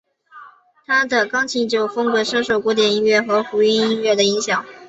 他的钢琴演奏风格深受古典音乐和福音音乐的影响。